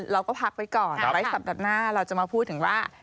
เราก็พักไว้ก่อนเดี๋ยวไว้สัปดาห์หน้าเราจะมาพูดถึงว่า